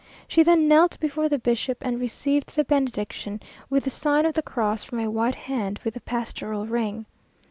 She then knelt before the bishop and received the benediction, with the sign of the cross, from a white hand with the pastoral ring.